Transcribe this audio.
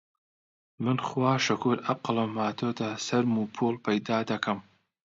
من خوا شوکور عەقڵم هاتۆتە سەرم و پووڵ پەیدا دەکەم